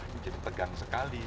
menjadi tegang sekali